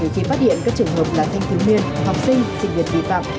nếu khi phát hiện các trường hợp là thanh thương miên học sinh sinh viên vi phạm